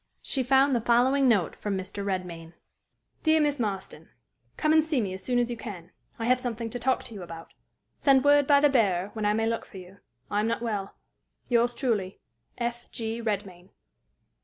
She found the following note from Mr. Redmain: "DEAR MISS MARSTON: Come and see me as soon as you can; I have something to talk to you about. Send word by the bearer when I may look for you. I am not well. "Yours truly, "F. G. REDMAIN."